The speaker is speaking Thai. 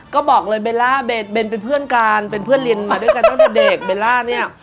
ก็บอกเลยเบลล่าเบนเป็นเพื่อนกันเป็นเพื่อนเรียนมาด้วยกันตั้งแต่เด็กเบลล่าเนี่ย